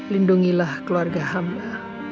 lindungilah keluarga hamla